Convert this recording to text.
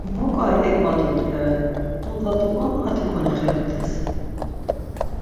Mu k̆ai ek va dodveren, dodvat̆ukon ati konixirap̆t̆es.